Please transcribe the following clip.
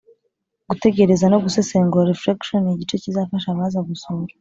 Gutekereza no gusesengura reflection ni igice kizafasha abaza gusura